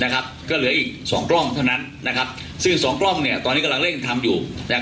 ก็เหลืออีก๒กล้องเท่านั้นซึ่ง๒กล้องตอนนี้กำลังเร่งทำอยู่